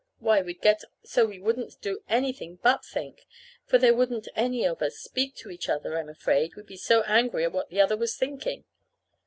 Why, we'd get so we wouldn't do anything but think for there wouldn't any of us speak to each other, I'm afraid, we'd be so angry at what the other was thinking.